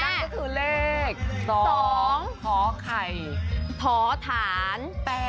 นั่นก็คือเลข๒ท้อไข่ท้อฐาน๘๗๓๕